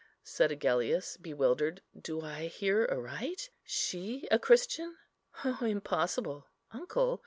said Agellius, bewildered, "do I hear aright? She a Christian! oh, impossible, uncle!